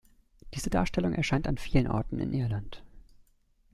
Diese Darstellung erscheint an vielen Orten in Irland.